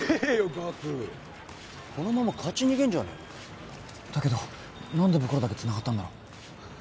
ガクこのまま勝ち逃げんじゃねえのだけど何で僕らだけつながったんだろ？